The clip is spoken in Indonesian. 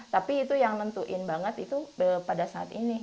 tapi itu yang nentuin banget itu pada saat ini